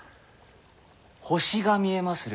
星が見えまする。